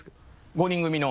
５人組の。